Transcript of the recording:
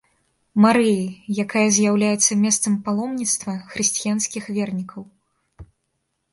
Марыі, якая з'яўляецца месцам паломніцтва хрысціянскіх вернікаў.